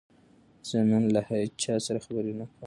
زه نن له هیچا سره خبرې نه کوم.